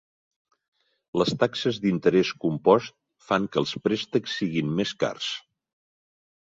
Les taxes de l'interès compost fan que els préstecs siguin més cars.